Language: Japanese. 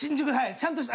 ちゃんとした。